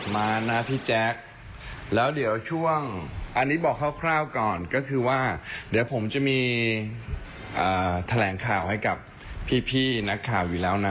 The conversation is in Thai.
มานะพี่แจ๊คแล้วเดี๋ยวช่วงอันนี้บอกคร่าวก่อนก็คือว่าเดี๋ยวผมจะมีแถลงข่าวให้กับพี่นักข่าวอยู่แล้วนะ